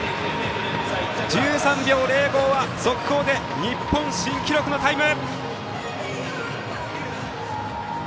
１３秒０５は速報で日本新記録のタイム！